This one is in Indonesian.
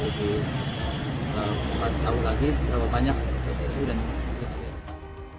kita tahu lagi berapa banyak ppsu dan ppsu